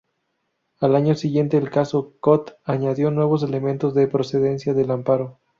Al año siguiente el caso "Kot" añadió nuevos elementos de procedencia del amparo.